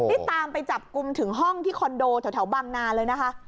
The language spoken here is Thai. นี่ตามไปจับกลุ่มถึงห้องที่คอนโดแถวบางนาเลยนะคะ